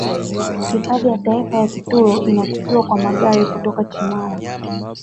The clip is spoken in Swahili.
Hifadhi ya taifa ya Kitulo inafikiwa kwa gari kutoka Chimala